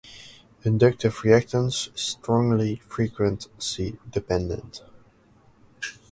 Inductive reactance is strongly frequency dependent.